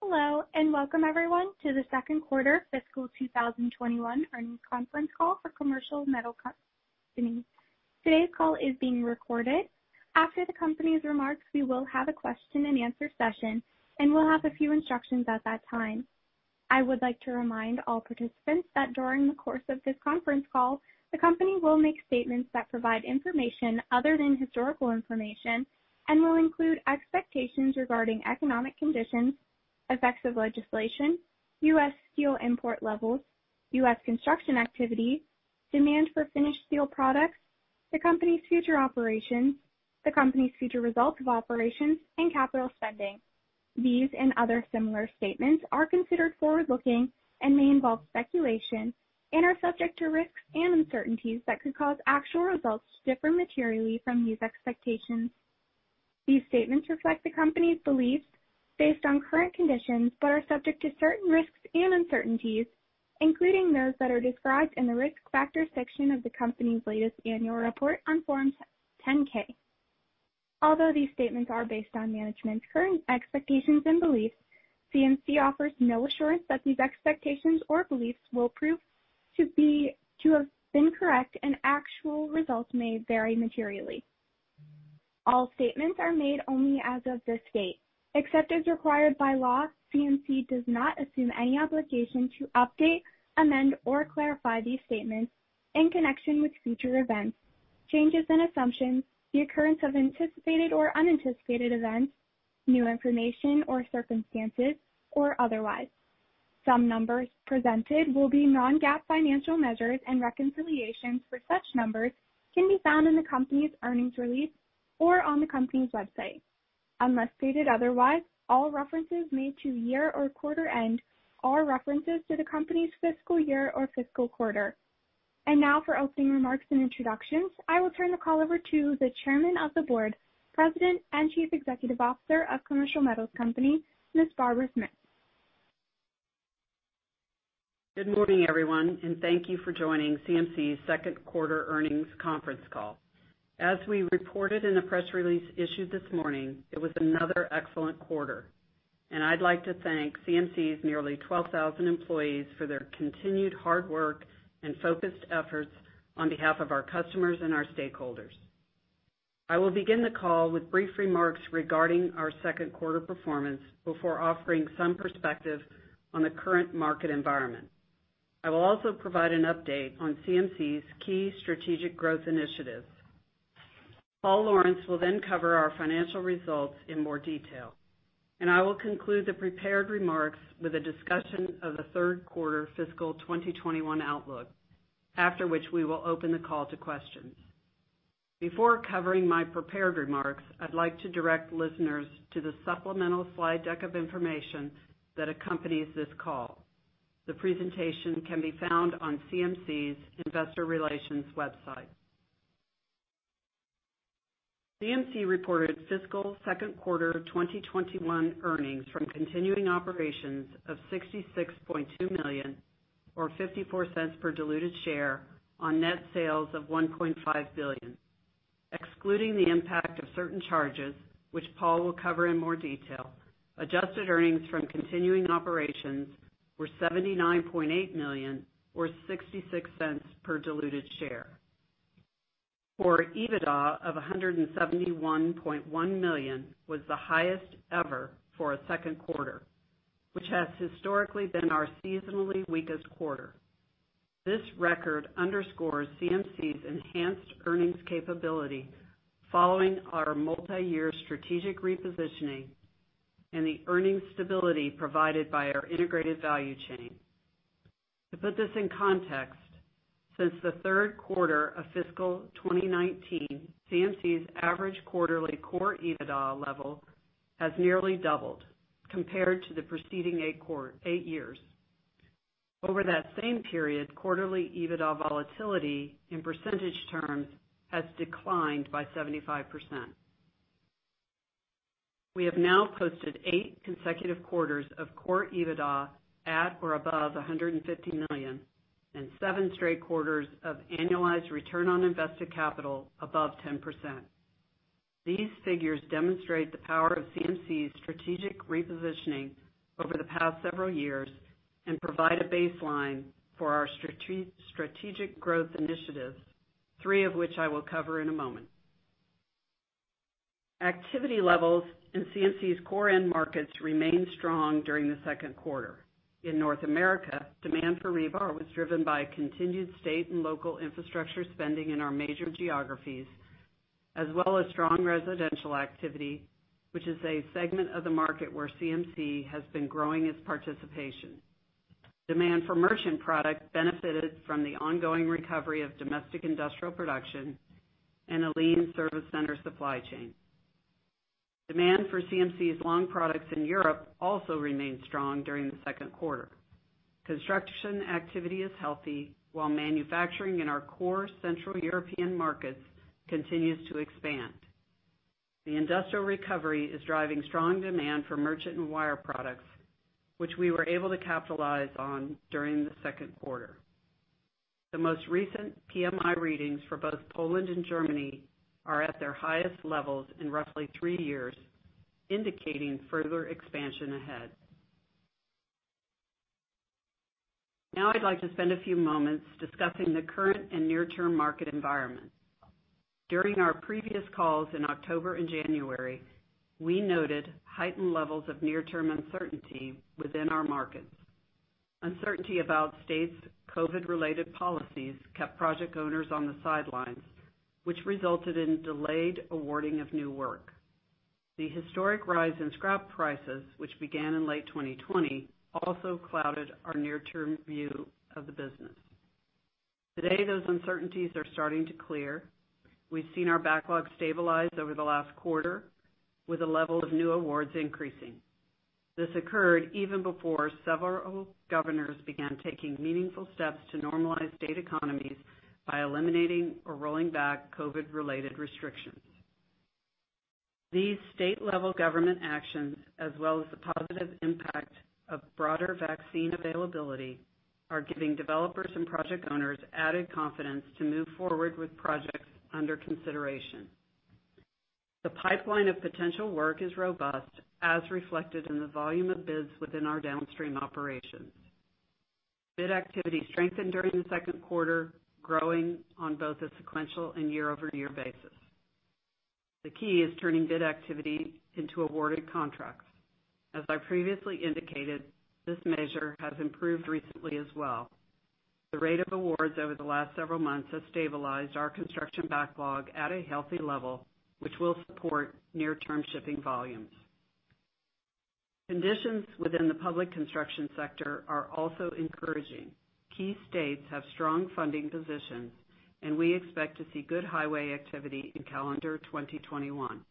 Hello, and welcome everyone to the second quarter fiscal 2021 earnings conference call for Commercial Metals Company. Today's call is being recorded. After the company's remarks, we will have a question and answer session, and we'll have a few instructions at that time. I would like to remind all participants that during the course of this conference call, the company will make statements that provide information other than historical information and will include expectations regarding economic conditions, effects of legislation, U.S. steel import levels, U.S. construction activity, demand for finished steel products, the company's future operations, the company's future results of operations, and capital spending. These and other similar statements are considered forward-looking and may involve speculation, and are subject to risks and uncertainties that could cause actual results to differ materially from these expectations. These statements reflect the company's beliefs based on current conditions, but are subject to certain risks and uncertainties, including those that are described in the Risk Factors section of the company's latest annual report on Form 10-K. Although these statements are based on management's current expectations and beliefs, CMC offers no assurance that these expectations or beliefs will prove to have been correct, and actual results may vary materially. All statements are made only as of this date. Except as required by law, CMC does not assume any obligation to update, amend, or clarify these statements in connection with future events, changes in assumptions, the occurrence of anticipated or unanticipated events, new information or circumstances, or otherwise. Some numbers presented will be non-GAAP financial measures, and reconciliations for such numbers can be found in the company's earnings release or on the company's website. Unless stated otherwise, all references made to year or quarter end are references to the company's fiscal year or fiscal quarter. Now for opening remarks and introductions, I will turn the call over to the Chairman of the Board, President, and Chief Executive Officer of Commercial Metals Company, Ms. Barbara Smith. Good morning, everyone, and thank you for joining CMC's second quarter earnings conference call. As we reported in a press release issued this morning, it was another excellent quarter, and I'd like to thank CMC's nearly 12,000 employees for their continued hard work and focused efforts on behalf of our customers and our stakeholders. I will begin the call with brief remarks regarding our second quarter performance before offering some perspective on the current market environment. I will also provide an update on CMC's key strategic growth initiatives. Paul Lawrence will then cover our financial results in more detail, and I will conclude the prepared remarks with a discussion of the third quarter fiscal 2021 outlook. After which, we will open the call to questions. Before covering my prepared remarks, I'd like to direct listeners to the supplemental slide deck of information that accompanies this call. The presentation can be found on CMC's investor relations website. CMC reported fiscal second quarter 2021 earnings from continuing operations of $66.2 million or $0.54 per diluted share on net sales of $1.5 billion. Excluding the impact of certain charges, which Paul will cover in more detail, adjusted earnings from continuing operations were $79.8 million or $0.66 per diluted share. Core EBITDA of $171.1 million was the highest ever for a second quarter, which has historically been our seasonally weakest quarter. This record underscores CMC's enhanced earnings capability following our multiyear strategic repositioning and the earnings stability provided by our integrated value chain. To put this in context, since the third quarter of fiscal 2019, CMC's average quarterly core EBITDA level has nearly doubled compared to the preceding eight years. Over that same period, quarterly EBITDA volatility in percentage terms has declined by 75%. We have now posted eight consecutive quarters of core EBITDA at or above $150 million and seven straight quarters of annualized return on invested capital above 10%. These figures demonstrate the power of CMC's strategic repositioning over the past several years and provide a baseline for our strategic growth initiatives, three of which I will cover in a moment. Activity levels in CMC's core end markets remained strong during the second quarter. In North America, demand for rebar was driven by continued state and local infrastructure spending in our major geographies, as well as strong residential activity, which is a segment of the market where CMC has been growing its participation. Demand for merchant bar benefited from the ongoing recovery of domestic industrial production and a lean service center supply chain. Demand for CMC's long products in Europe also remained strong during the second quarter. Construction activity is healthy, while manufacturing in our core central European markets continues to expand. The industrial recovery is driving strong demand for merchant and wire rod, which we were able to capitalize on during the second quarter. The most recent PMI readings for both Poland and Germany are at their highest levels in roughly three years, indicating further expansion ahead. Now I'd like to spend a few moments discussing the current and near-term market environment. During our previous calls in October and January, we noted heightened levels of near-term uncertainty within our markets. Uncertainty about states' COVID-related policies kept project owners on the sidelines, which resulted in delayed awarding of new work. The historic rise in scrap prices, which began in late 2020, also clouded our near-term view of the business. Today, those uncertainties are starting to clear. We've seen our backlog stabilize over the last quarter with a level of new awards increasing. This occurred even before several governors began taking meaningful steps to normalize state economies by eliminating or rolling back COVID-related restrictions. These state-level government actions, as well as the positive impact of broader vaccine availability, are giving developers and project owners added confidence to move forward with projects under consideration. The pipeline of potential work is robust, as reflected in the volume of bids within our downstream operations. Bid activity strengthened during the second quarter, growing on both a sequential and year-over-year basis. The key is turning bid activity into awarded contracts. As I previously indicated, this measure has improved recently as well. The rate of awards over the last several months has stabilized our construction backlog at a healthy level, which will support near-term shipping volumes. Conditions within the public construction sector are also encouraging. Key states have strong funding positions, and we expect to see good highway activity in calendar 2021.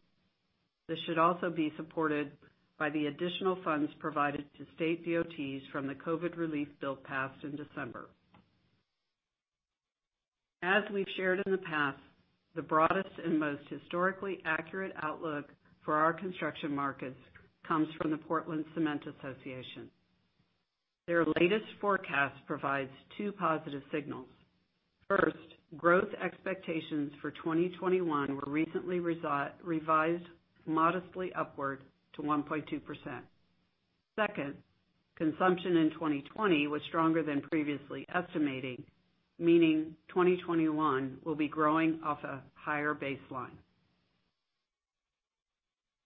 This should also be supported by the additional funds provided to state DOTs from the COVID relief bill passed in December. As we've shared in the past, the broadest and most historically accurate outlook for our construction markets comes from the Portland Cement Association. Their latest forecast provides two positive signals. First, growth expectations for 2021 were recently revised modestly upward to 1.2%. Second, consumption in 2020 was stronger than previously estimating, meaning 2021 will be growing off a higher baseline.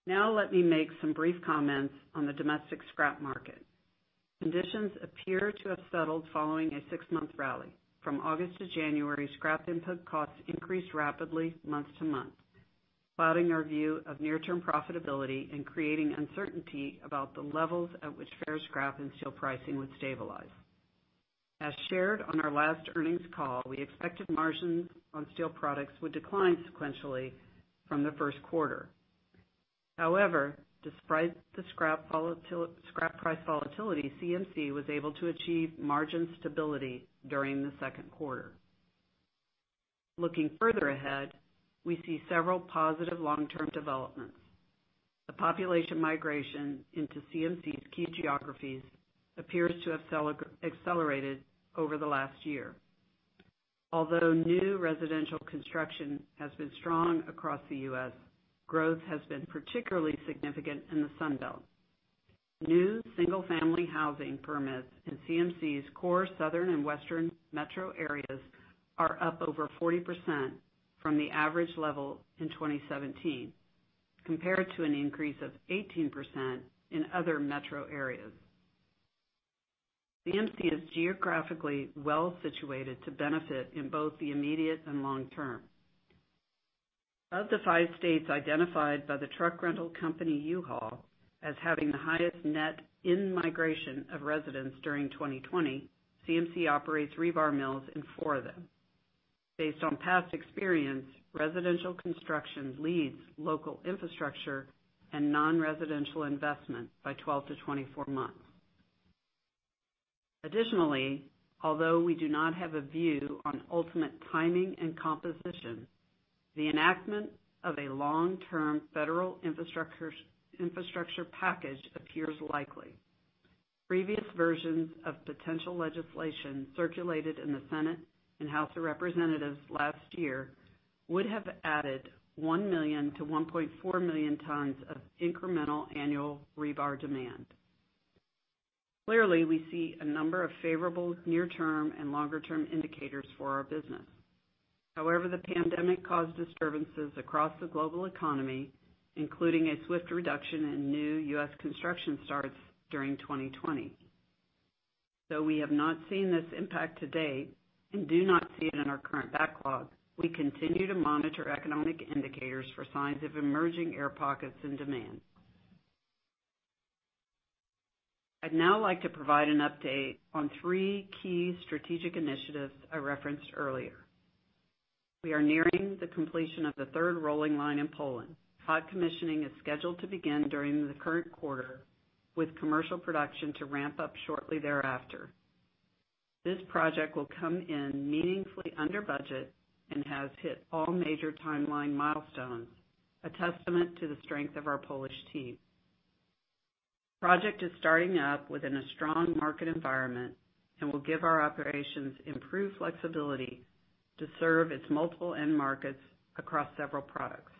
Let me make some brief comments on the domestic scrap market. Conditions appear to have settled following a six-month rally. From August to January, scrap input costs increased rapidly month-to-month, clouding our view of near-term profitability and creating uncertainty about the levels at which ferrous scrap and steel pricing would stabilize. As shared on our last earnings call, we expected margins on steel products would decline sequentially from the first quarter. However, despite the scrap price volatility, CMC was able to achieve margin stability during the second quarter. Looking further ahead, we see several positive long-term developments. The population migration into CMC's key geographies appears to have accelerated over the last year. Although new residential construction has been strong across the U.S., growth has been particularly significant in the Sun Belt. New single-family housing permits in CMC's core southern and western metro areas are up over 40% from the average level in 2017, compared to an increase of 18% in other metro areas. CMC is geographically well situated to benefit in both the immediate and long term. Of the five states identified by the truck rental company U-Haul as having the highest net in-migration of residents during 2020, CMC operates rebar mills in four of them. Based on past experience, residential construction leads local infrastructure and non-residential investment by 12-24 months. Additionally, although we do not have a view on ultimate timing and composition, the enactment of a long-term federal infrastructure package appears likely. Previous versions of potential legislation circulated in the Senate and House of Representatives last year would have added 1 million-1.4 million tons of incremental annual rebar demand. Clearly, we see a number of favorable near-term and longer-term indicators for our business. However, the pandemic caused disturbances across the global economy, including a swift reduction in new U.S. construction starts during 2020. Though we have not seen this impact to date and do not see it in our current backlog, we continue to monitor economic indicators for signs of emerging air pockets and demand. I'd now like to provide an update on three key strategic initiatives I referenced earlier. We are nearing the completion of the third rolling line in Poland. Hot commissioning is scheduled to begin during the current quarter, with commercial production to ramp up shortly thereafter. This project will come in meaningfully under budget and has hit all major timeline milestones, a testament to the strength of our Polish team. Project is starting up within a strong market environment and will give our operations improved flexibility to serve its multiple end markets across several products.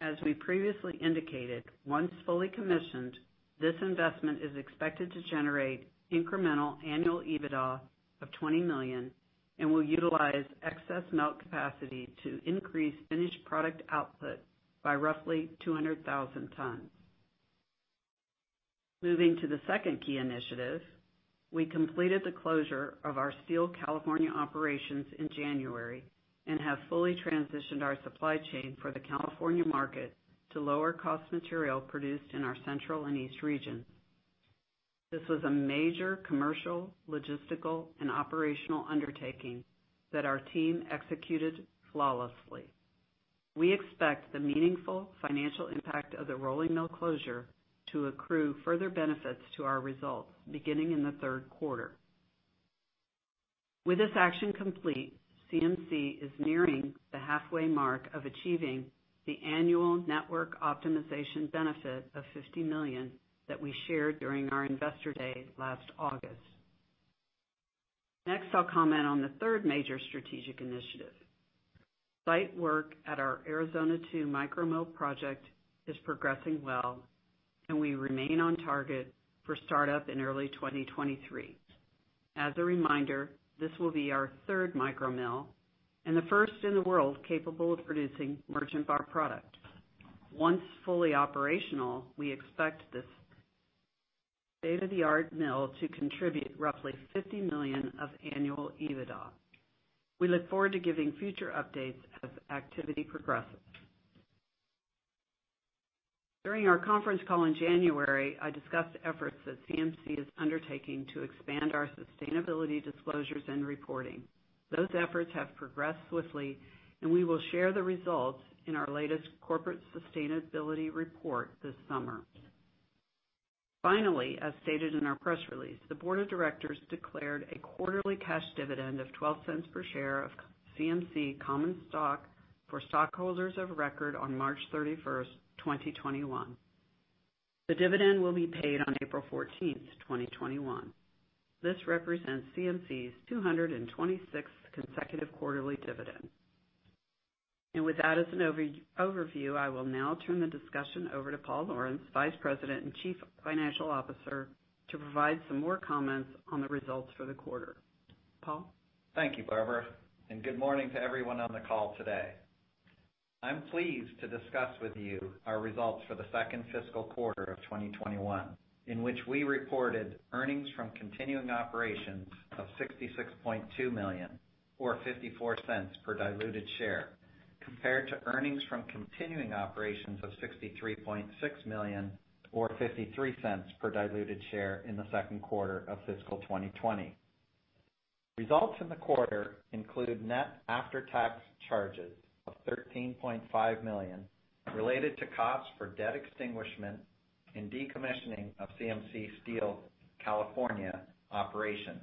As we previously indicated, once fully commissioned, this investment is expected to generate incremental annual EBITDA of $20 million and will utilize excess melt capacity to increase finished product output by roughly 200,000 tons. Moving to the second key initiative, we completed the closure of our Steel California operations in January and have fully transitioned our supply chain for the California market to lower cost material produced in our Central and East region. This was a major commercial, logistical, and operational undertaking that our team executed flawlessly. We expect the meaningful financial impact of the rolling mill closure to accrue further benefits to our results beginning in the third quarter. With this action complete, CMC is nearing the halfway mark of achieving the annual network optimization benefit of $50 million that we shared during our investor day last August. I'll comment on the third major strategic initiative. Site work at our Arizona 2 micro mill project is progressing well, and we remain on target for startup in early 2023. As a reminder, this will be our third micro mill and the first in the world capable of producing merchant bar product. Once fully operational, we expect this state-of-the-art mill to contribute roughly $50 million of annual EBITDA. We look forward to giving future updates as activity progresses. During our conference call in January, I discussed efforts that CMC is undertaking to expand our sustainability disclosures and reporting. Those efforts have progressed swiftly, and we will share the results in our latest corporate sustainability report this summer. Finally, as stated in our press release, the board of directors declared a quarterly cash dividend of $0.12 per share of CMC common stock for stockholders of record on March 31st, 2021. The dividend will be paid on April 14th, 2021. This represents CMC's 226th consecutive quarterly dividend. With that as an overview, I will now turn the discussion over to Paul Lawrence, Vice President and Chief Financial Officer, to provide some more comments on the results for the quarter. Paul? Thank you, Barbara, and good morning to everyone on the call today. I'm pleased to discuss with you our results for the second fiscal quarter of 2021, in which we reported earnings from continuing operations of $66.2 million, or $0.54 per diluted share, compared to earnings from continuing operations of $63.6 million or $0.53 per diluted share in the second quarter of fiscal 2020. Results in the quarter include net after-tax charges of $13.5 million related to costs for debt extinguishment and decommissioning of CMC Steel California operations,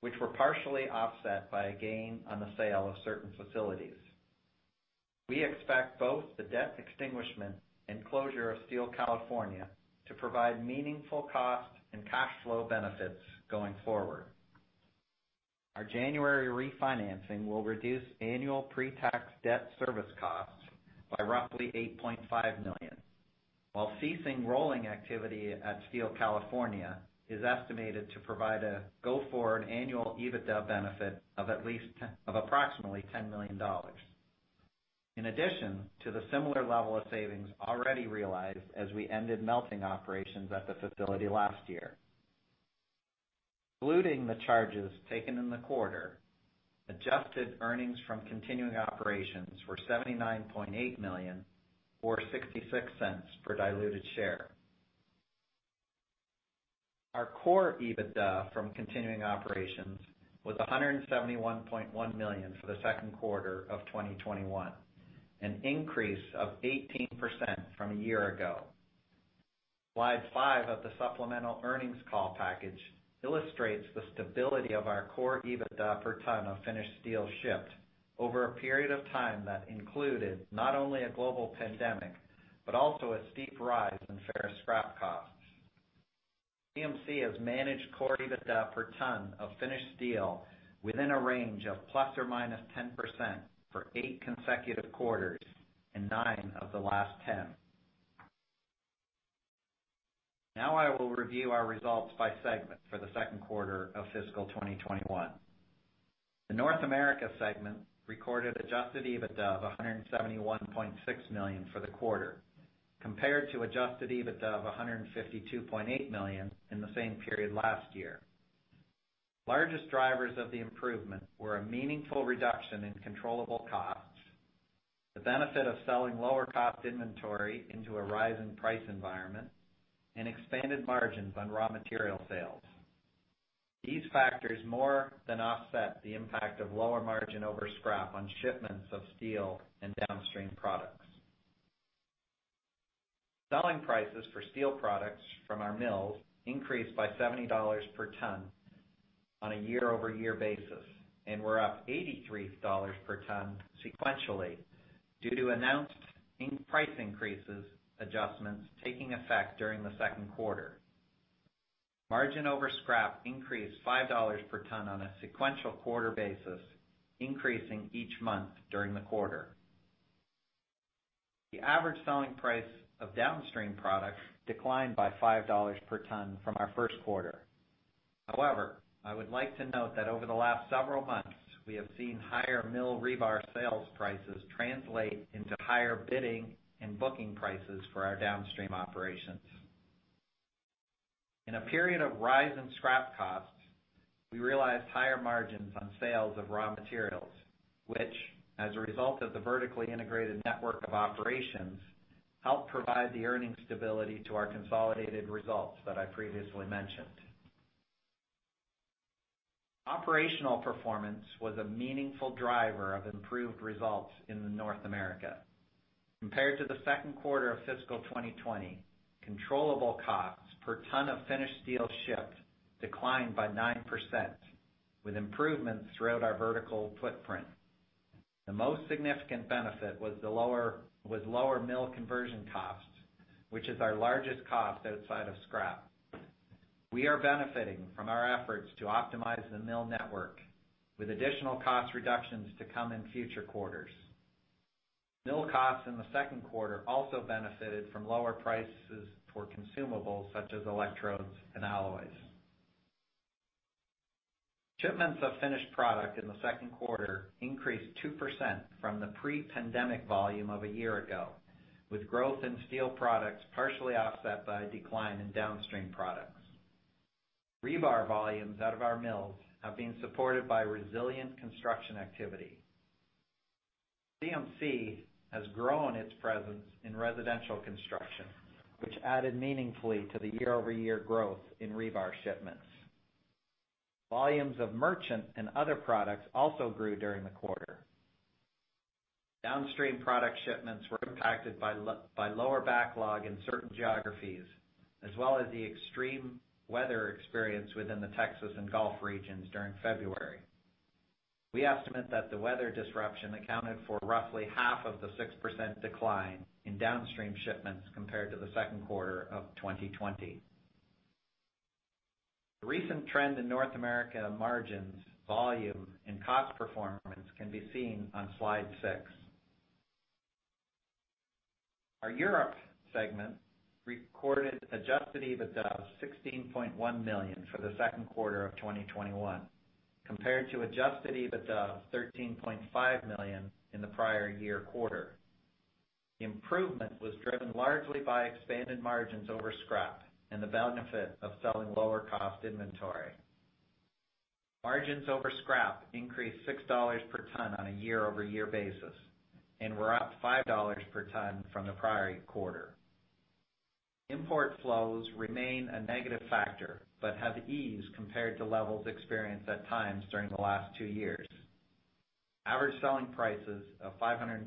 which were partially offset by a gain on the sale of certain facilities. We expect both the debt extinguishment and closure of Steel California to provide meaningful cost and cash flow benefits going forward. Our January refinancing will reduce annual pre-tax debt service costs by roughly $8.5 million, while ceasing rolling activity at Steel California is estimated to provide a go-forward annual EBITDA benefit of approximately $10 million. In addition to the similar level of savings already realized as we ended melting operations at the facility last year. Excluding the charges taken in the quarter, adjusted earnings from continuing operations were $79.8 million, or $0.66 per diluted share. Our core EBITDA from continuing operations was $171.1 million for the second quarter of 2021, an increase of 18% from a year ago. Slide five of the supplemental earnings call package illustrates the stability of our core EBITDA per ton of finished steel shipped over a period of time that included not only a global pandemic, but also a steep rise in fair scrap costs. CMC has managed core EBITDA per ton of finished steel within a range of ±10% for eight consecutive quarters and nine of the last 10. Now I will review our results by segment for the second quarter of fiscal 2021. The North America segment recorded adjusted EBITDA of $171.6 million for the quarter, compared to adjusted EBITDA of $152.8 million in the same period last year. Largest drivers of the improvement were a meaningful reduction in controllable costs, the benefit of selling lower cost inventory into a rise in price environment, and expanded margins on raw material sales. These factors more than offset the impact of lower margin over scrap on shipments of steel and downstream products. Selling prices for steel products from our mills increased by $70 per ton on a year-over-year basis, and were up $83 per ton sequentially due to announced price increases adjustments taking effect during the second quarter. Margin over scrap increased $5 per ton on a sequential quarter basis, increasing each month during the quarter. The average selling price of downstream products declined by $5 per ton from our first quarter. However, I would like to note that over the last several months, we have seen higher mill rebar sales prices translate into higher bidding and booking prices for our downstream operations. In a period of rising scrap costs, we realized higher margins on sales of raw materials, which, as a result of the vertically integrated network of operations, helped provide the earning stability to our consolidated results that I previously mentioned. Operational performance was a meaningful driver of improved results in North America. Compared to the second quarter of fiscal 2020, controllable costs per ton of finished steel shipped declined by 9%, with improvements throughout our vertical footprint. The most significant benefit was lower mill conversion costs, which is our largest cost outside of scrap. We are benefiting from our efforts to optimize the mill network, with additional cost reductions to come in future quarters. Mill costs in the second quarter also benefited from lower prices for consumables such as electrodes and alloys. Shipments of finished product in the second quarter increased 2% from the pre-pandemic volume of a year ago, with growth in steel products partially offset by a decline in downstream products. Rebar volumes out of our mills have been supported by resilient construction activity. CMC has grown its presence in residential construction, which added meaningfully to the year-over-year growth in rebar shipments. Volumes of merchant and other products also grew during the quarter. Downstream product shipments were impacted by lower backlog in certain geographies, as well as the extreme weather experienced within the Texas and Gulf regions during February. We estimate that the weather disruption accounted for roughly half of the 6% decline in downstream shipments compared to the second quarter of 2020. The recent trend in North America margins, volume, and cost performance can be seen on slide six. Our Europe segment recorded adjusted EBITDA of $16.1 million for the second quarter of 2021, compared to adjusted EBITDA of $13.5 million in the prior year quarter. The improvement was driven largely by expanded margins over scrap and the benefit of selling lower-cost inventory. Margins over scrap increased $6 per ton on a year-over-year basis and were up $5 per ton from the prior quarter. Import flows remain a negative factor but have eased compared to levels experienced at times during the last two years. Average selling prices of $532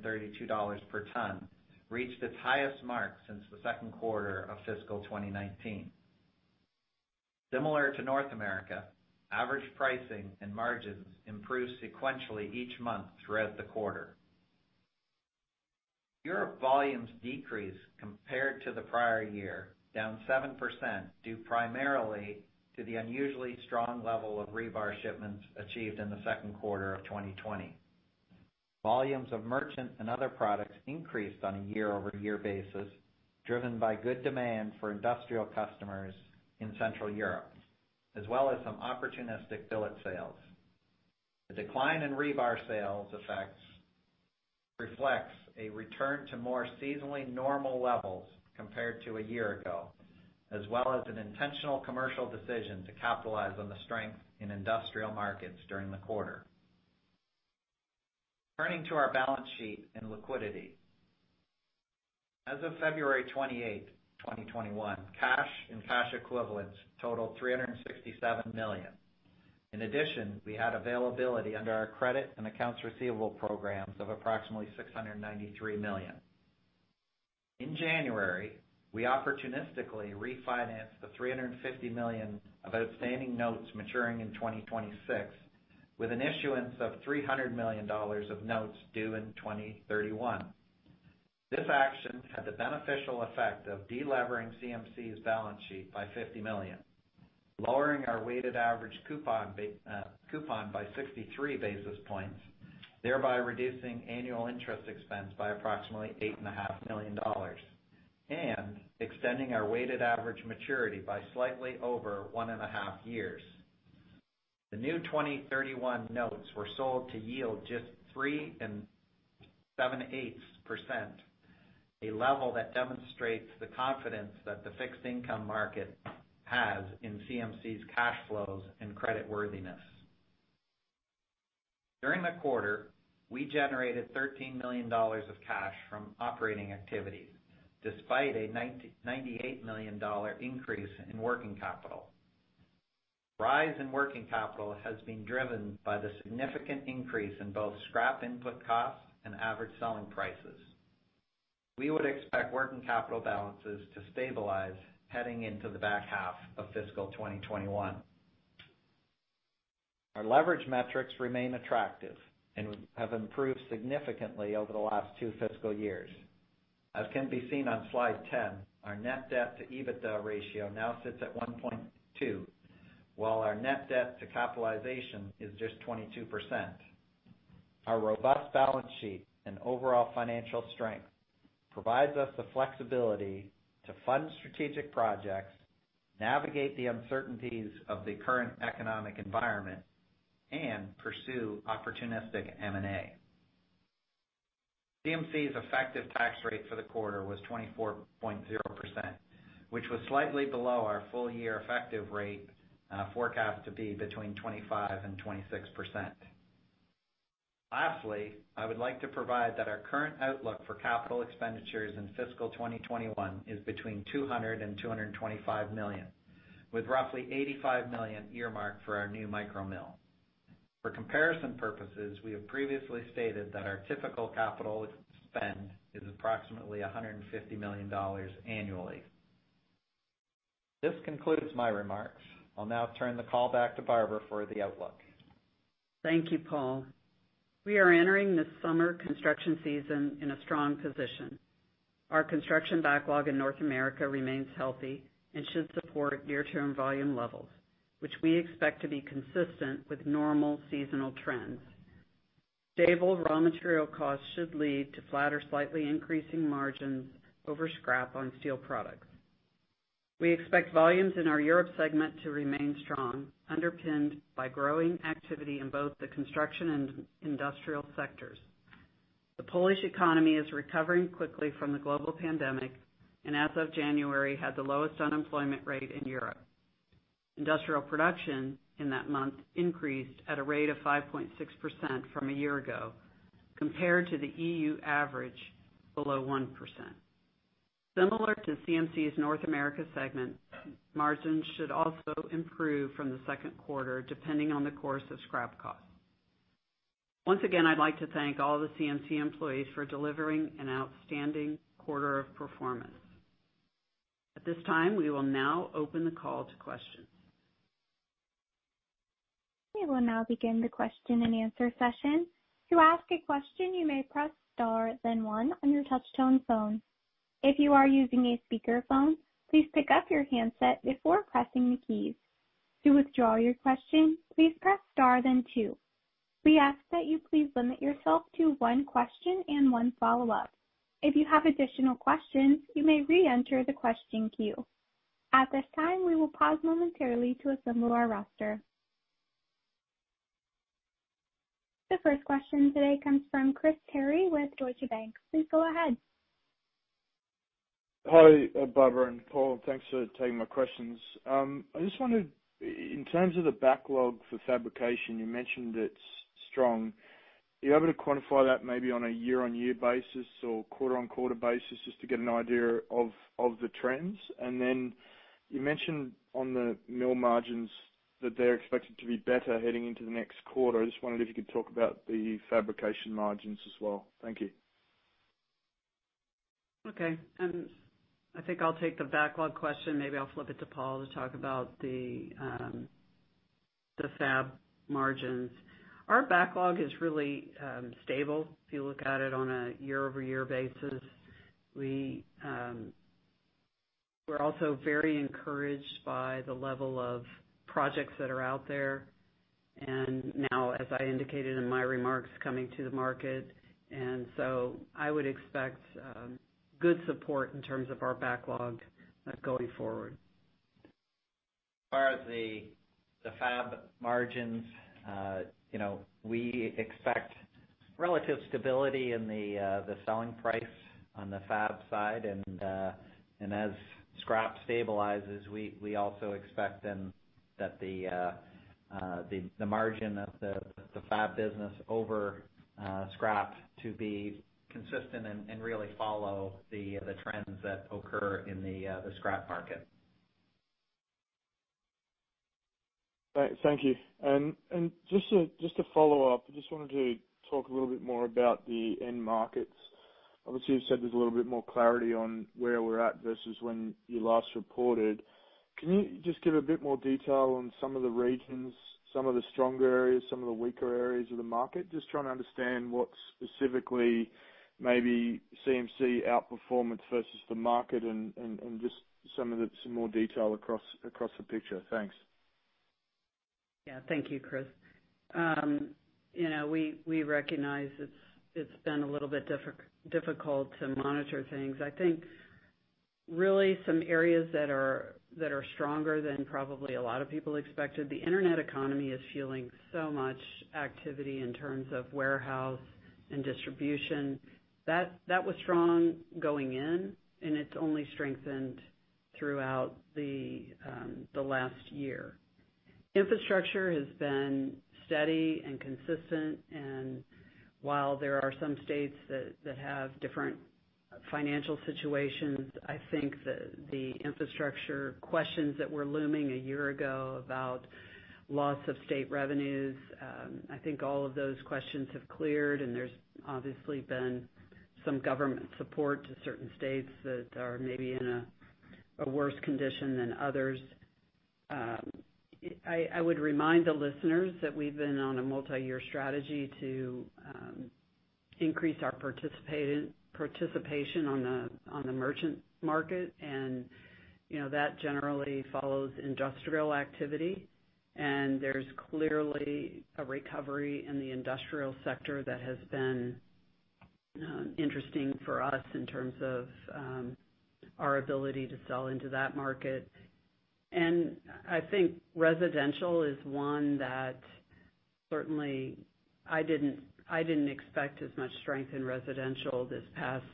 per ton reached its highest mark since the second quarter of fiscal 2019. Similar to North America, average pricing and margins improved sequentially each month throughout the quarter. Europe volumes decreased compared to the prior year, down 7%, due primarily to the unusually strong level of rebar shipments achieved in the second quarter of 2020. Volumes of merchant and other products increased on a year-over-year basis, driven by good demand for industrial customers in Central Europe, as well as some opportunistic billet sales. The decline in rebar sales effects reflects a return to more seasonally normal levels compared to a year ago, as well as an intentional commercial decision to capitalize on the strength in industrial markets during the quarter. Turning to our balance sheet and liquidity. As of February 28th, 2021, cash and cash equivalents totaled $367 million. In addition, we had availability under our credit and accounts receivable programs of approximately $693 million. In January, we opportunistically refinanced the $350 million of outstanding notes maturing in 2026 with an issuance of $300 million of notes due in 2031. This action had the beneficial effect of de-levering CMC's balance sheet by $50 million, lowering our weighted average coupon by 63 basis points, thereby reducing annual interest expense by approximately $8.5 million and extending our weighted average maturity by slightly over one and a half years. The new 2031 notes were sold to yield just 3 7/8%, a level that demonstrates the confidence that the fixed income market has in CMC's cash flows and credit worthiness. During the quarter, we generated $13 million of cash from operating activities, despite a $98 million increase in working capital. The rise in working capital has been driven by the significant increase in both scrap input costs and average selling prices. We would expect working capital balances to stabilize heading into the back half of fiscal 2021. Our leverage metrics remain attractive and have improved significantly over the last two fiscal years. As can be seen on slide 10, our net debt to EBITDA ratio now sits at 1.2, while our net debt to capitalization is just 22%. Our robust balance sheet and overall financial strength provides us the flexibility to fund strategic projects, navigate the uncertainties of the current economic environment, and pursue opportunistic M&A. CMC's effective tax rate for the quarter was 24.0%, which was slightly below our full-year effective rate forecast to be between 25% and 26%. Lastly, I would like to provide that our current outlook for capital expenditures in fiscal 2021 is between $200 million and $225 million, with roughly $85 million earmarked for our new micro mill. For comparison purposes, we have previously stated that our typical capital spend is approximately $150 million annually. This concludes my remarks. I'll now turn the call back to Barbara for the outlook. Thank you, Paul. We are entering this summer construction season in a strong position. Our construction backlog in North America remains healthy and should support near-term volume levels, which we expect to be consistent with normal seasonal trends. Stable raw material costs should lead to flatter, slightly increasing margins over scrap on steel products. We expect volumes in our Europe segment to remain strong, underpinned by growing activity in both the construction and industrial sectors. The Polish economy is recovering quickly from the global pandemic, and as of January, had the lowest unemployment rate in Europe. Industrial production in that month increased at a rate of 5.6% from a year ago, compared to the EU average below 1%. Similar to CMC's North America segment, margins should also improve from the second quarter, depending on the course of scrap costs. Once again, I'd like to thank all the CMC employees for delivering an outstanding quarter of performance. At this time, we will now open the call to questions. We will now begin the question and answer session. To ask a question, you may press star then one on your touch-tone phone. If you are using a speakerphone, please pick up your handset before pressing the keys. To withdraw your question, please press star then two. We ask that you please limit yourself to one question and one follow-up. If you have additional questions, you may reenter the question queue. At this time, we will pause momentarily to assemble our roster. The first question today comes from Chris Terry with Deutsche Bank. Please go ahead. Hi, Barbara and Paul. Thanks for taking my questions. I just wondered, in terms of the backlog for fabrication, you mentioned it's strong. Are you able to quantify that maybe on a year-over-year basis or quarter-over-quarter basis, just to get an idea of the trends? Then you mentioned on the mill margins that they're expected to be better heading into the next quarter. I just wondered if you could talk about the fabrication margins as well. Thank you. Okay. I think I'll take the backlog question. Maybe I'll flip it to Paul to talk about the fab margins. Our backlog is really stable if you look at it on a year-over-year basis. We're also very encouraged by the level of projects that are out there, and now, as I indicated in my remarks, coming to the market. I would expect good support in terms of our backlog going forward. As far as the fab margins, we expect relative stability in the selling price on the fab side. As scrap stabilizes, we also expect that the margin of the fab business over scrap to be consistent and really follow the trends that occur in the scrap market. Great. Thank you. Just to follow up, I just wanted to talk a little bit more about the end markets. Obviously, you've said there's a little bit more clarity on where we're at versus when you last reported. Can you just give a bit more detail on some of the regions, some of the stronger areas, some of the weaker areas of the market? Just trying to understand what specifically maybe CMC outperformance versus the market, and just some more detail across the picture. Thanks. Thank you, Chris. We recognize it's been a little bit difficult to monitor things. I think really some areas that are stronger than probably a lot of people expected. The internet economy is fueling so much activity in terms of warehouse and distribution. That was strong going in, and it's only strengthened throughout the last year. Infrastructure has been steady and consistent, and while there are some states that have different financial situations, I think the infrastructure questions that were looming a year ago about loss of state revenues, I think all of those questions have cleared, and there's obviously been some government support to certain states that are maybe in a worse condition than others. I would remind the listeners that we've been on a multi-year strategy to increase our participation on the merchant market, and that generally follows industrial activity. There's clearly a recovery in the industrial sector that has been interesting for us in terms of our ability to sell into that market. I think residential is one that certainly I didn't expect as much strength in residential this past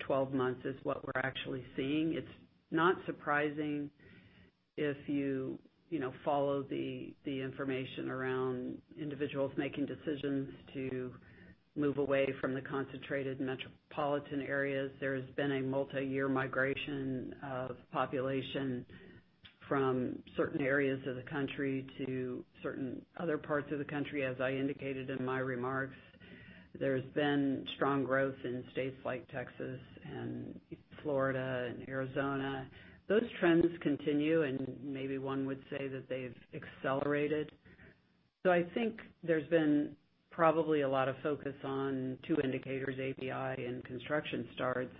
12 months as what we're actually seeing. It's not surprising if you follow the information around individuals making decisions to move away from the concentrated metropolitan areas. There has been a multi-year migration of population from certain areas of the country to certain other parts of the country. As I indicated in my remarks, there's been strong growth in states like Texas and Florida and Arizona. Those trends continue, and maybe one would say that they've accelerated. I think there's been probably a lot of focus on two indicators, ABI and construction starts.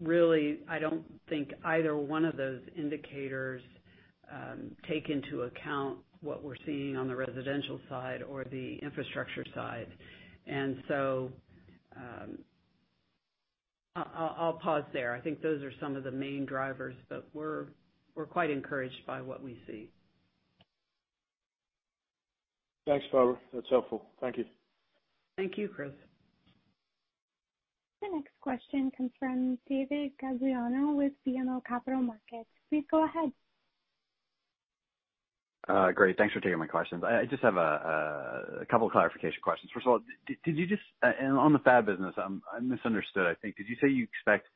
Really, I don't think either one of those indicators take into account what we're seeing on the residential side or the infrastructure side. I'll pause there. I think those are some of the main drivers, but we're quite encouraged by what we see. Thanks, Barbara. That's helpful. Thank you. Thank you, Chris. The next question comes from David Gagliano with BMO Capital Markets. Please go ahead. Great. Thanks for taking my questions. I just have a couple of clarification questions. First of all, on the fab business, I misunderstood, I think. Did you say you expect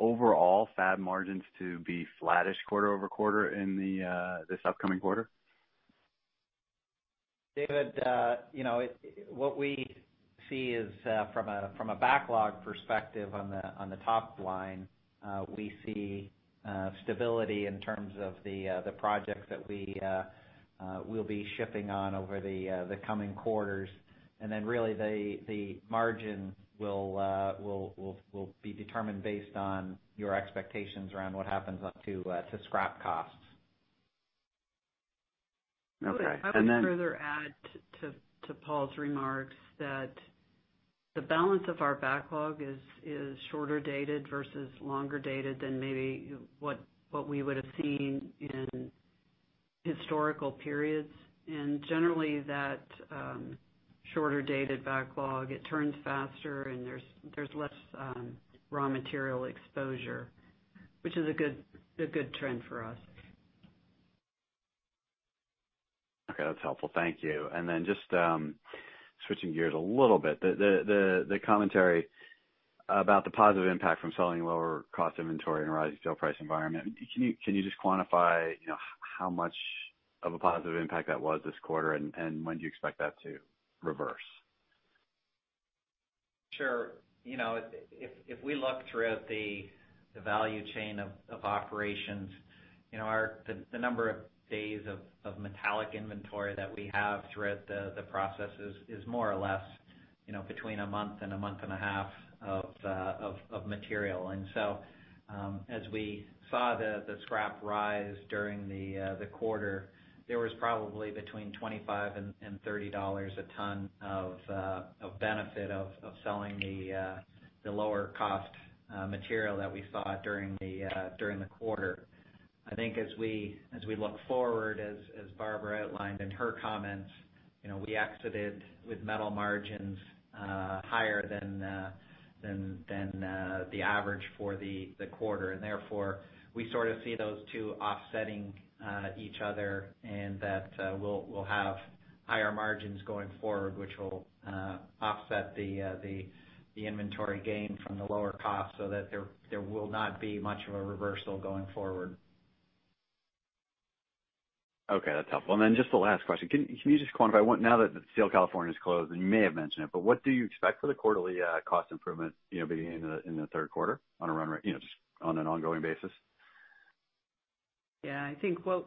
overall fab margins to be flattish quarter-over-quarter in this upcoming quarter? David, what we see is from a backlog perspective on the top line. We see stability in terms of the projects that we'll be shipping on over the coming quarters. Really the margin will be determined based on your expectations around what happens to scrap costs. Okay. I would further add to Paul's remarks that the balance of our backlog is shorter dated versus longer dated than maybe what we would have seen in historical periods. Generally, that shorter dated backlog, it turns faster, and there's less raw material exposure, which is a good trend for us. Okay. That's helpful. Thank you. Just switching gears a little bit, the commentary about the positive impact from selling lower cost inventory and rising steel price environment. Can you just quantify how much of a positive impact that was this quarter, and when do you expect that to reverse? Sure. If we look throughout the value chain of operations, the number of days of metallic inventory that we have throughout the process is more or less between a month and a month and a half of material. As we saw the scrap rise during the quarter, there was probably between $25 and $30 a ton of benefit of selling the lower cost material that we saw during the quarter. I think as we look forward, as Barbara outlined in her comments, we exited with metal margins higher than the average for the quarter. Therefore, we sort of see those two offsetting each other, and that we'll have higher margins going forward, which will offset the inventory gain from the lower cost so that there will not be much of a reversal going forward. Okay. That's helpful. Just the last question. Can you just quantify now that the Steel California is closed, and you may have mentioned it, but what do you expect for the quarterly cost improvement in the third quarter on an ongoing basis? Yeah, I think what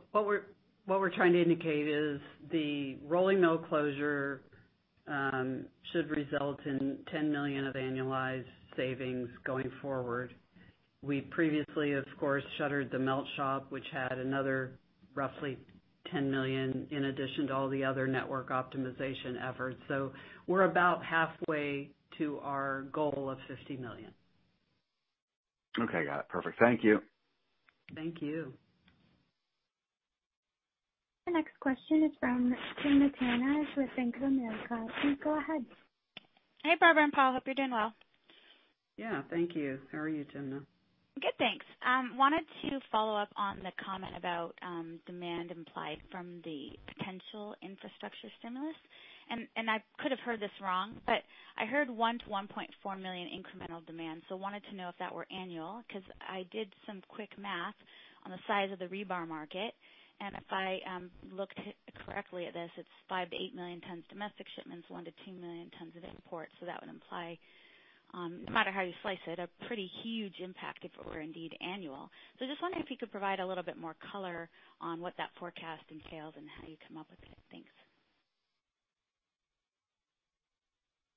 we're trying to indicate is the rolling mill closure should result in $10 million of annualized savings going forward. We previously, of course, shuttered the melt shop, which had another roughly $10 million in addition to all the other network optimization efforts. We're about halfway to our goal of $50 million. Okay, got it. Perfect. Thank you. Thank you. The next question is from Timna Tanners with Bank of America. Please go ahead. Hey, Barbara and Paul. Hope you're doing well. Yeah, thank you. How are you, Timna? Good, thanks. Wanted to follow up on the comment about demand implied from the potential infrastructure stimulus. I could have heard this wrong, but I heard 1 million-1.4 million incremental demand. Wanted to know if that were annual, because I did some quick math on the size of the rebar market, and if I looked correctly at this, it's 5 million-8 million tons domestic shipments, 1 million-2 million tons of imports. That would imply, no matter how you slice it, a pretty huge impact if it were indeed annual. Just wondering if you could provide a little bit more color on what that forecast entails and how you come up with it. Thanks.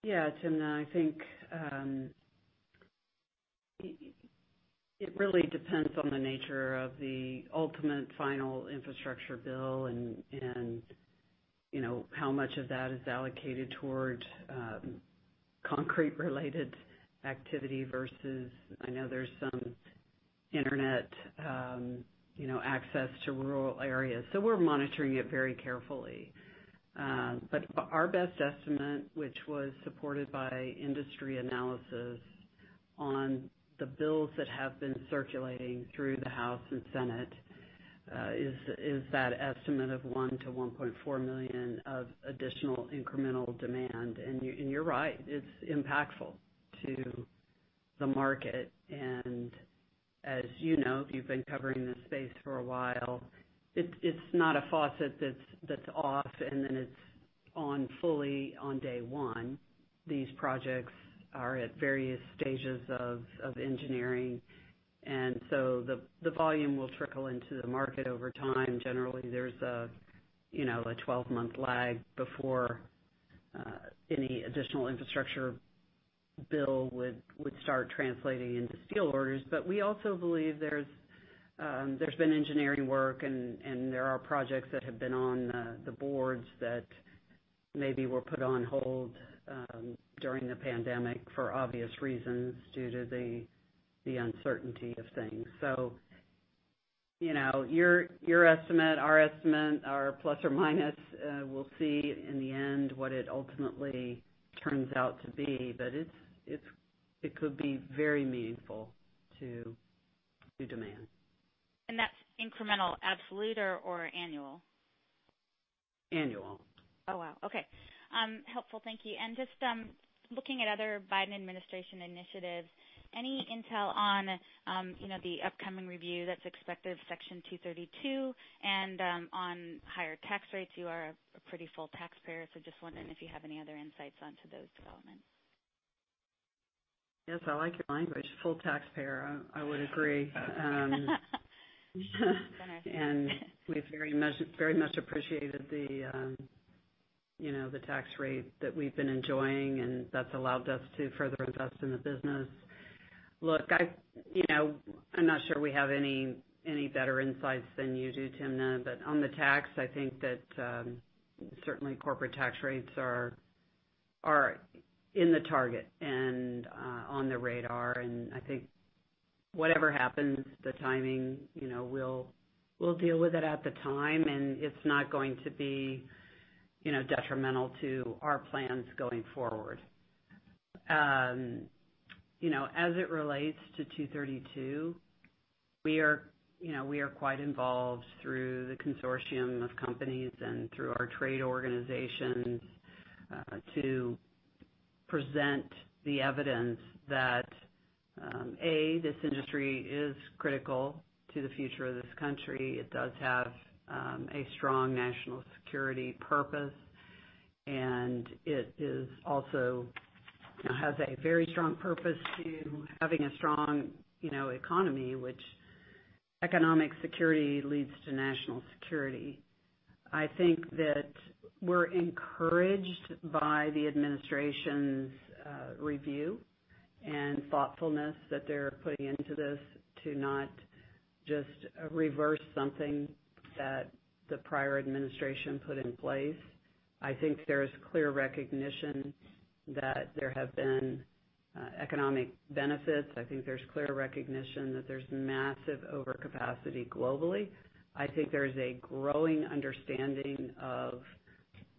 Yeah, Timna. I think it really depends on the nature of the ultimate final infrastructure bill and how much of that is allocated towards concrete-related activity versus, I know there's some internet access to rural areas. We're monitoring it very carefully. Our best estimate, which was supported by industry analysis on the bills that have been circulating through the House of Representatives and Senate, is that estimate of $1 million-$1.4 million of additional incremental demand. You're right, it's impactful to the market. As you know, you've been covering this space for a while, it's not a faucet that's off and then it's on fully on day one. These projects are at various stages of engineering, the volume will trickle into the market over time. Generally, there's a 12-month lag before any additional infrastructure bill would start translating into steel orders. We also believe there's been engineering work, and there are projects that have been on the boards that maybe were put on hold during the pandemic for obvious reasons due to the uncertainty of things. Your estimate, our estimate are plus or minus. We'll see in the end what it ultimately turns out to be. It could be very meaningful to demand. That's incremental absolute or annual? Annual. Oh, wow. Okay. Helpful. Thank you. Just looking at other Biden administration initiatives, any intel on the upcoming review that's expected of Section 232 and on higher tax rates? You are a pretty full taxpayer, so just wondering if you have any other insights onto those developments. Yes, I like your language, full taxpayer. I would agree. Winner. We've very much appreciated the tax rate that we've been enjoying, and that's allowed us to further invest in the business. Look, I'm not sure we have any better insights than you do, Timna. On the tax, I think that certainly corporate tax rates are in the target and on the radar, and I think whatever happens, the timing, we'll deal with it at the time, and it's not going to be detrimental to our plans going forward. As it relates to 232, we are quite involved through the consortium of companies and through our trade organizations to present the evidence that, A, this industry is critical to the future of this country. It does have a strong national security purpose, and it also has a very strong purpose to having a strong economy, which economic security leads to national security. I think that we're encouraged by the administration's review and thoughtfulness that they're putting into this to not just reverse something that the prior administration put in place. I think there's clear recognition that there have been economic benefits. I think there's clear recognition that there's massive overcapacity globally. I think there's a growing understanding of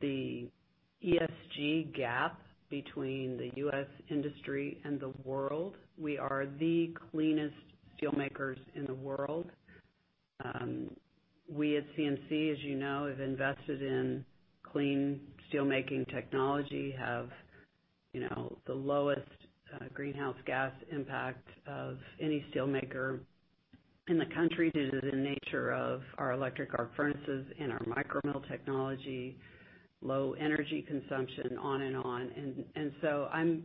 the ESG gap between the U.S. industry and the world. We are the cleanest steel makers in the world. We at CMC, as you know, have invested in clean steel making technology, have the lowest greenhouse gas impact of any steel maker in the country due to the nature of our electric arc furnaces and our micro mill technology, low energy consumption, on and on.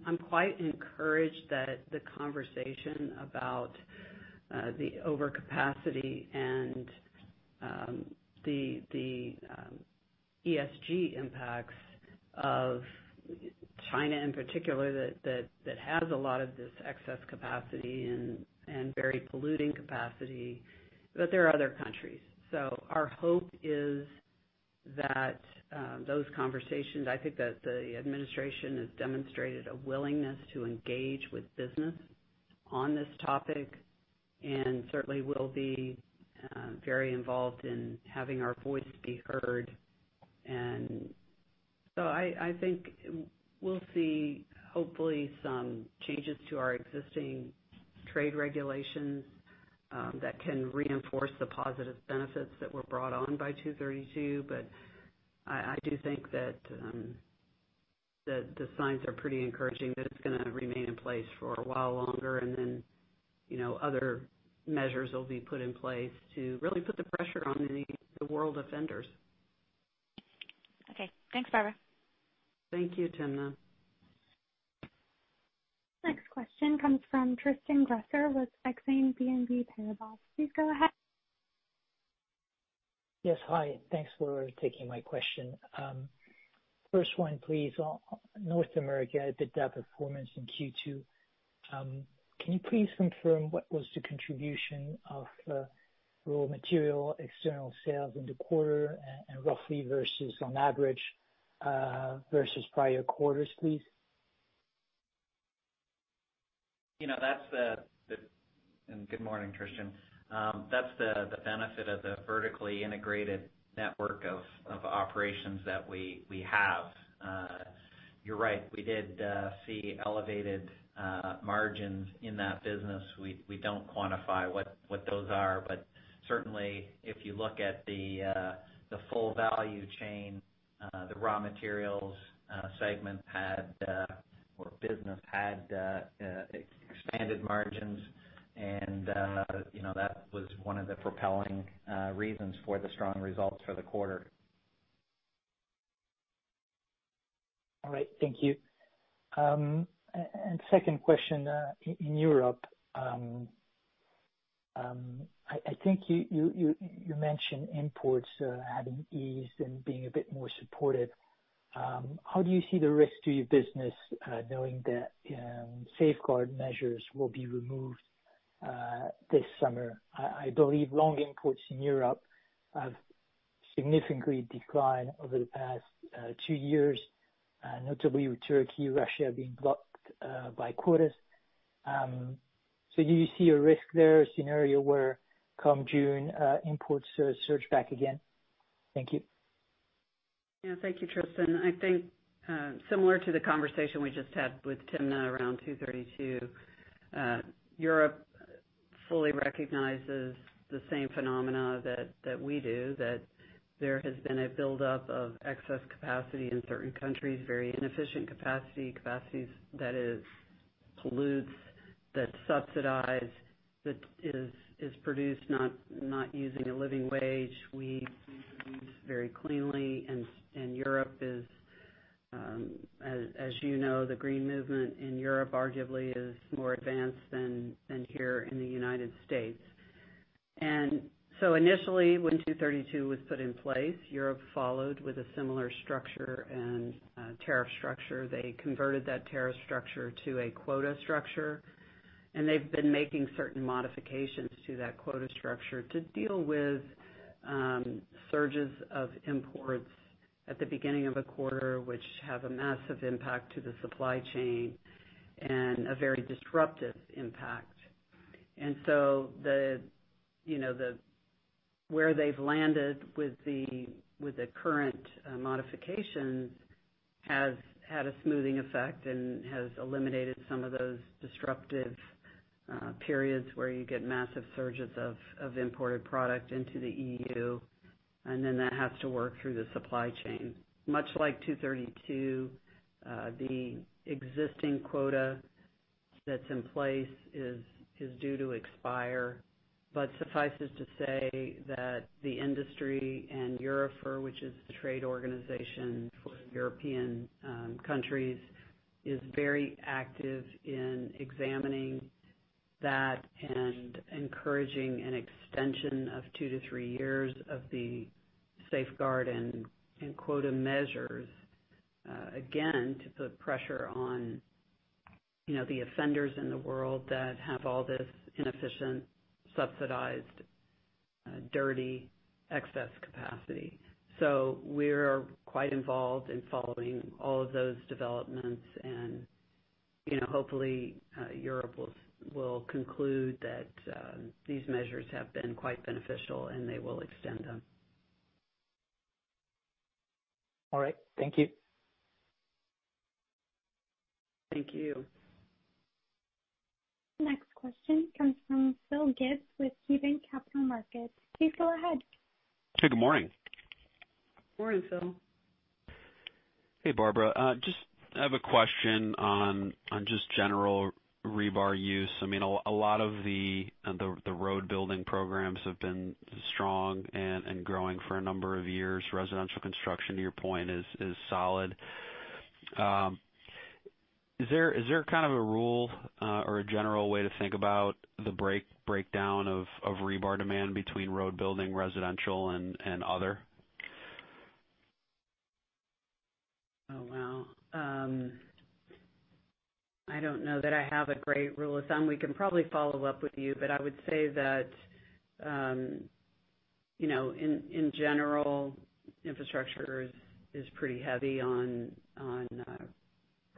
I'm quite encouraged that the conversation about the overcapacity and the ESG impacts of China, in particular, that has a lot of this excess capacity and very polluting capacity. There are other countries. Our hope is that those conversations, I think that the administration has demonstrated a willingness to engage with business on this topic, and certainly we'll be very involved in having our voice be heard. I think we'll see, hopefully, some changes to our existing trade regulations that can reinforce the positive benefits that were brought on by 232. I do think that the signs are pretty encouraging that it's gonna remain in place for a while longer, and then other measures will be put in place to really put the pressure on the world offenders. Okay. Thanks, Barbara. Thank you, Timna. Next question comes from Tristan Gresser with Exane BNP Paribas. Please go ahead. Yes. Hi. Thanks for taking my question. First one, please, on North America, the EBITDA performance in Q2. Can you please confirm what was the contribution of the raw material external sales in the quarter and roughly versus on average, versus prior quarters, please? Good morning, Tristan. That's the benefit of the vertically integrated network of operations that we have. You're right, we did see elevated margins in that business. We don't quantify what those are, but certainly, if you look at the full value chain, the raw materials segment had, or business had expanded margins and that was one of the propelling reasons for the strong results for the quarter. All right. Second question, I think you mentioned imports having eased and being a bit more supported. How do you see the risk to your business knowing that safeguard measures will be removed this summer? I believe long imports in Europe have significantly declined over the past two years, notably with Turkey, Russia being blocked by quotas. Do you see a risk there or scenario where come June, imports surge back again? Thank you. Yeah, thank you, Tristan. I think similar to the conversation we just had with Timna around 232, Europe fully recognizes the same phenomena that we do, that there has been a buildup of excess capacity in certain countries, very inefficient capacity, capacities that is pollutes, that subsidize, that is produced not using a living wage. We produce very cleanly. Europe is, as you know, the green movement in Europe arguably is more advanced than here in the U.S. And so initially, when 232 was put in place, Europe followed with a similar structure and tariff structure. They converted that tariff structure to a quota structure, and they've been making certain modifications to that quota structure to deal with surges of imports at the beginning of a quarter, which have a massive impact to the supply chain and a very disruptive impact. Where they've landed with the current modifications has had a smoothing effect and has eliminated some of those disruptive periods where you get massive surges of imported product into the EU, and then that has to work through the supply chain. Much like 232, the existing quota that's in place is due to expire, but suffices to say that the industry and EUROFER, which is the trade organization for European countries, is very active in examining that and encouraging an extension of two to three years of the safeguard and quota measures, again, to put pressure on the offenders in the world that have all this inefficient, subsidized, dirty excess capacity. We're quite involved in following all of those developments and hopefully, Europe will conclude that these measures have been quite beneficial, and they will extend them. All right. Thank you. Thank you. Next question comes from Phil Gibbs with KeyBanc Capital Markets. Please go ahead. Hey, good morning. Morning, Phil. Hey, Barbara. Just I have a question on just general rebar use. A lot of the road building programs have been strong and growing for a number of years. Residential construction, to your point, is solid. Is there a rule, or a general way to think about the breakdown of rebar demand between road building, residential, and other? Oh, wow. I don't know that I have a great rule of thumb. We can probably follow up with you, but I would say that in general, infrastructure is pretty heavy on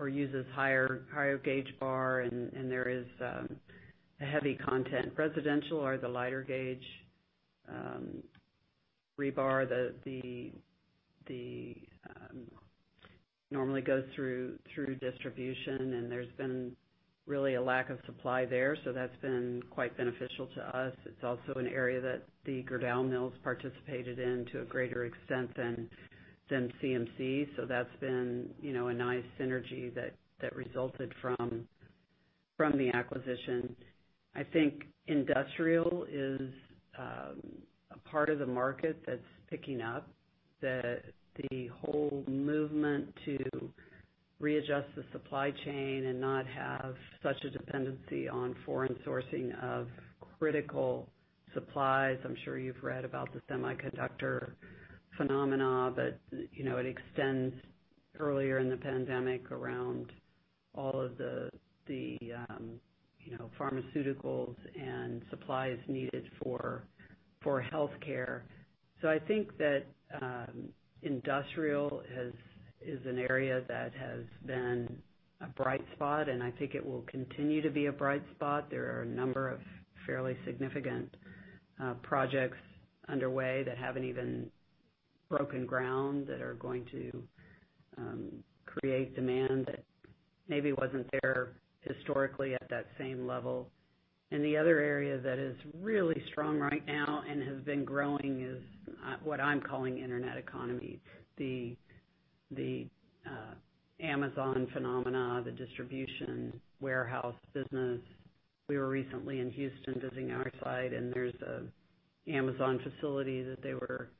or uses higher gauge bar and there is a heavy content residential or the lighter gauge rebar that normally goes through distribution, and there's been really a lack of supply there. That's been quite beneficial to us. It's also an area that the Gerdau mills participated in to a greater extent than CMC. That's been a nice synergy that resulted from the acquisition. I think industrial is a part of the market that's picking up. The whole movement to readjust the supply chain and not have such a dependency on foreign sourcing of critical supplies. I'm sure you've read about the semiconductor phenomena, but it extends earlier in the pandemic around all of the pharmaceuticals and supplies needed for healthcare. I think that industrial is an area that has been a bright spot, and I think it will continue to be a bright spot. There are a number of fairly significant projects underway that haven't even broken ground, that are going to create demand that maybe wasn't there historically at that same level. The other area that is really strong right now and has been growing is what I'm calling internet economy, the Amazon phenomena, the distribution warehouse business. We were recently in Houston visiting our site, and there's an Amazon facility that they were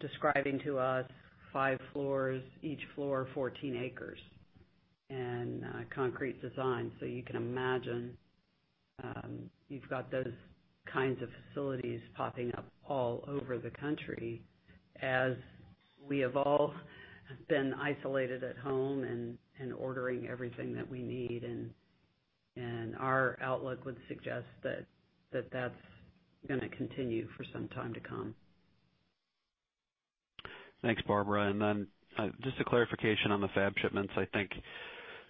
describing to us, five floors, each floor, 14 acres, and a concrete design. You can imagine, you've got those kinds of facilities popping up all over the country as we have all been isolated at home and ordering everything that we need, and our outlook would suggest that that's going to continue for some time to come. Thanks, Barbara. Just a clarification on the fab shipments. I think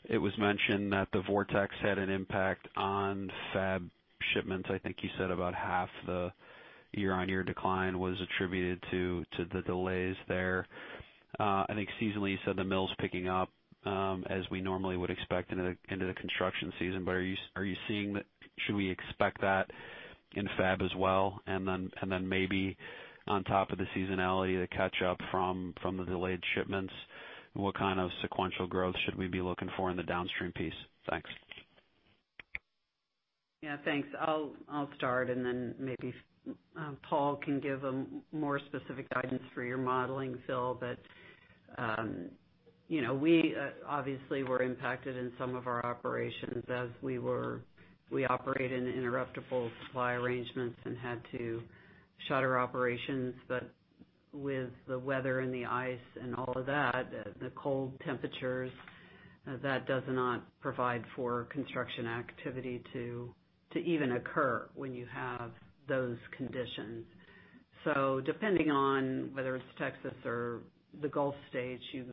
it was mentioned that the vortex had an impact on fab shipments. I think you said about half the year-on-year decline was attributed to the delays there. I think seasonally, you said the mill's picking up, as we normally would expect into the construction season. Are you seeing that? Should we expect that in fab as well? Maybe on top of the seasonality, the catch-up from the delayed shipments, and what kind of sequential growth should we be looking for in the downstream piece? Thanks. Thanks. I'll start and then maybe Paul can give a more specific guidance for your modeling, Phil. We obviously were impacted in some of our operations as we operate in interruptible supply arrangements and had to shutter operations. With the weather and the ice and all of that, the cold temperatures, that does not provide for construction activity to even occur when you have those conditions. Depending on whether it's Texas or the Gulf states, you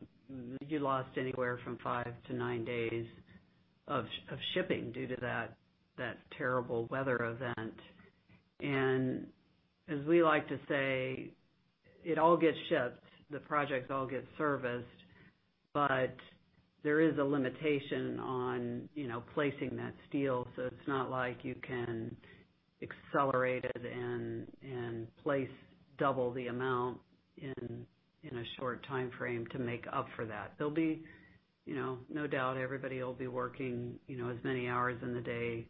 lost anywhere from five to nine days of shipping due to that terrible weather event. As we like to say, it all gets shipped, the projects all get serviced. There is a limitation on placing that steel. It's not like you can accelerate it and place double the amount in a short timeframe to make up for that. No doubt, everybody will be working as many hours in the day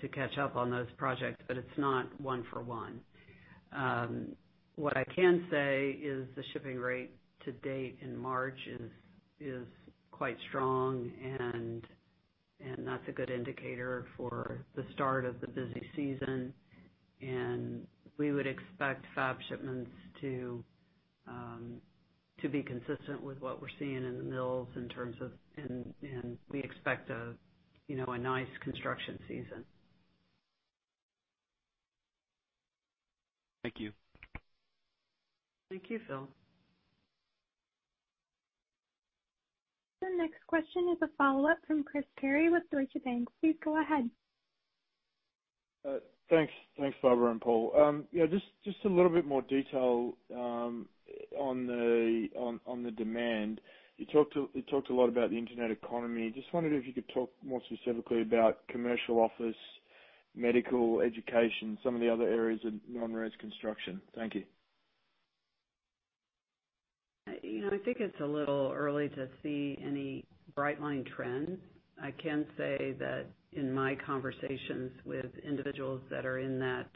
to catch up on those projects. It's not one for one. What I can say is the shipping rate to date in March is quite strong. That's a good indicator for the start of the busy season. We would expect fab shipments to be consistent with what we're seeing in the mills. We expect a nice construction season. Thank you. Thank you, Phil. The next question is a follow-up from Chris Terry with Deutsche Bank. Please go ahead. Thanks, Barbara and Paul. Just a little bit more detail on the demand. You talked a lot about the internet economy. Just wondered if you could talk more specifically about commercial office, medical, education, some of the other areas of non-res construction. Thank you. I think it's a little early to see any bright-line trends. I can say that in my conversations with individuals that are in that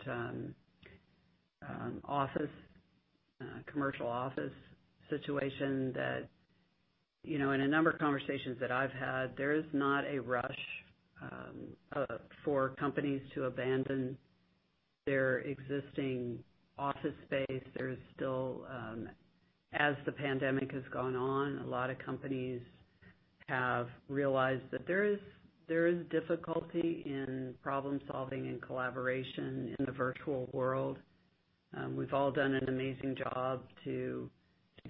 commercial office situation, that in a number of conversations that I've had, there is not a rush for companies to abandon their existing office space. As the pandemic has gone on, a lot of companies have realized that there is difficulty in problem-solving and collaboration in the virtual world. We've all done an amazing job to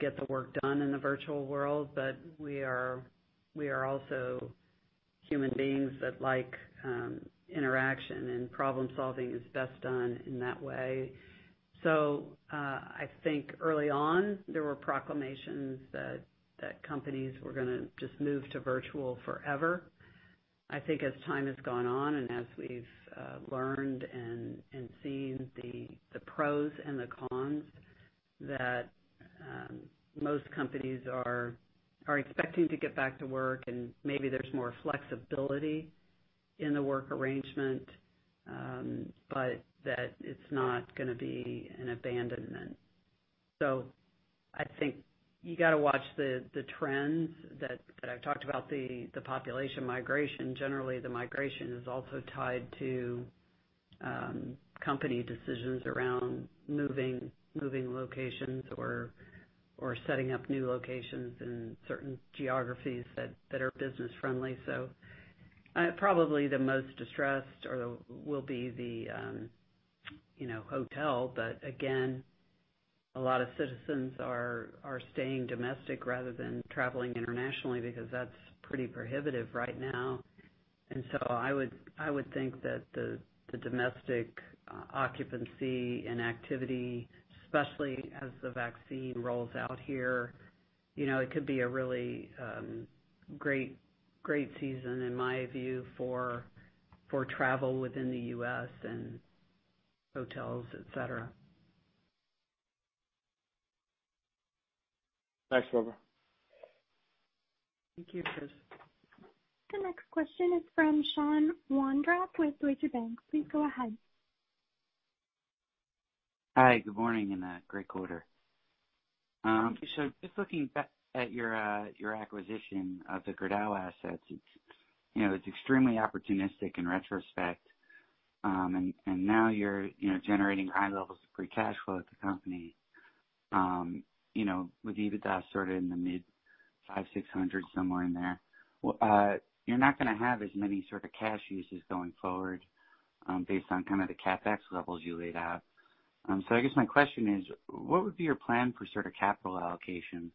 get the work done in the virtual world. We are also human beings that like interaction, and problem-solving is best done in that way. I think early on, there were proclamations that companies were going to just move to virtual forever. I think as time has gone on and as we've learned and seen the pros and the cons. Most companies are expecting to get back to work, and maybe there's more flexibility in the work arrangement, but that it's not going to be an abandonment. I think you got to watch the trends that I've talked about, the population migration. Generally, the migration is also tied to company decisions around moving locations or setting up new locations in certain geographies that are business-friendly. Probably the most distressed will be the hotel. Again, a lot of citizens are staying domestic rather than traveling internationally because that's pretty prohibitive right now. I would think that the domestic occupancy and activity, especially as the vaccine rolls out here, it could be a really great season, in my view, for travel within the U.S. and hotels, et cetera. Thanks, Barbara. Thank you, Chris. The next question is from Sean Wondrack with Deutsche Bank. Please go ahead. Hi, good morning and great quarter. Just looking back at your acquisition of the Gerdau assets, it's extremely opportunistic in retrospect. Now you're generating high levels of free cash flow at the company. With EBITDA sort of in the mid $500 million, $600 million, somewhere in there. You're not going to have as many sort of cash uses going forward based on kind of the CapEx levels you laid out. I guess my question is, what would be your plan for sort of capital allocation?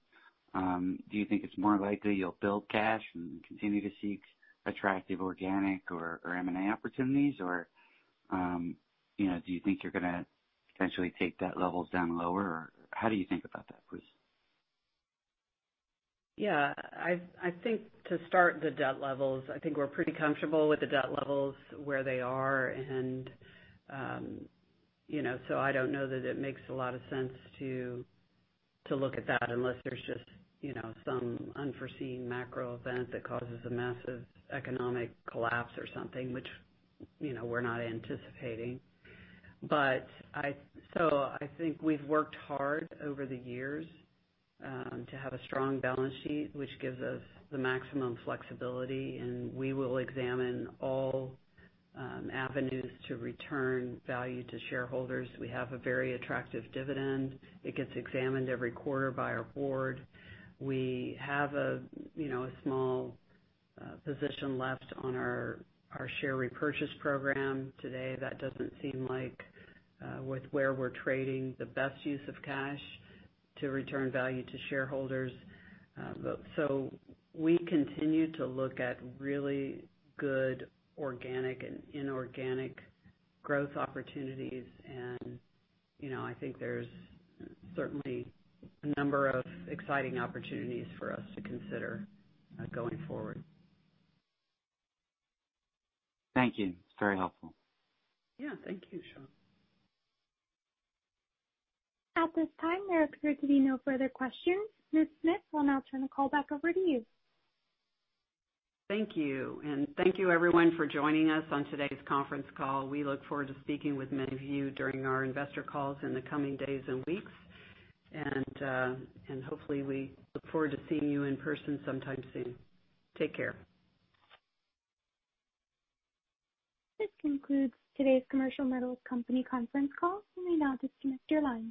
Do you think it's more likely you'll build cash and continue to seek attractive organic or M&A opportunities? Do you think you're going to potentially take debt levels down lower? How do you think about that, please? Yeah. I think to start the debt levels, I think we're pretty comfortable with the debt levels where they are. I don't know that it makes a lot of sense to look at that unless there's just some unforeseen macro event that causes a massive economic collapse or something, which we're not anticipating. I think we've worked hard over the years to have a strong balance sheet, which gives us the maximum flexibility, and we will examine all avenues to return value to shareholders. We have a very attractive dividend. It gets examined every quarter by our board. We have a small position left on our share repurchase program today. That doesn't seem like with where we're trading the best use of cash to return value to shareholders. We continue to look at really good organic and inorganic growth opportunities. I think there's certainly a number of exciting opportunities for us to consider going forward. Thank you. It's very helpful. Yeah. Thank you, Sean. At this time, there appear to be no further questions. Ms. Smith, we'll now turn the call back over to you. Thank you. Thank you everyone for joining us on today's conference call. We look forward to speaking with many of you during our investor calls in the coming days and weeks. Hopefully we look forward to seeing you in person sometime soon. Take care. This concludes today's Commercial Metals Company conference call. You may now disconnect your lines.